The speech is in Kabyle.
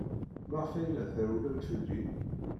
Maɣef ay la trewwlem fell-i?